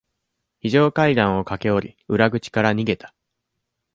非常階段を駆け下り、裏口から逃げた。